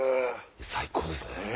最高ですね。